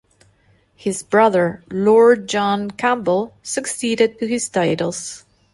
His brother, Lord John Campbell, succeeded to his titles.